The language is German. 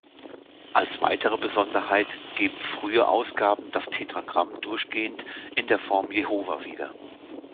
Als weitere Besonderheit geben frühe Ausgaben das Tetragramm durchgehend in der Form "Jehova" wieder.